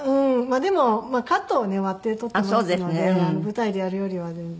でもカットをね割って撮っていますので舞台でやるよりは全然。